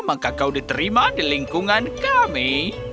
maka kau diterima di lingkungan kami